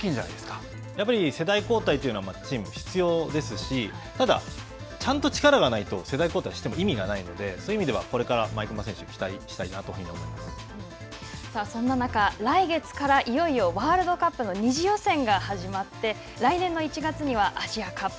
やっぱり世代交代というのは、チームに必要ですし、ただ、ちゃんと力がないと、世代交代しても意味がないので、そういう意味では、これから毎熊選手に期待したそんな中、来月からいよいよワールドカップの２次予選が始まって、来年の１月には、アジアカップ。